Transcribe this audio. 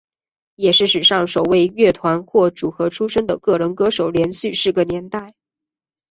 也是史上首位乐团或组合出身的个人歌手连续四个年代。